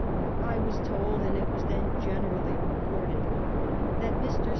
I was told, and it was then generally reported, that Mr. St.